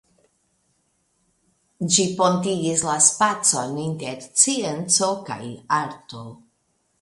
Ĝi pontigis la spacon inter scienco kaj arto.